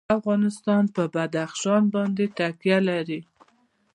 افغانستان په بدخشان باندې تکیه لري.